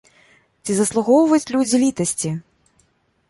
Ці заслугоўваюць людзі літасці?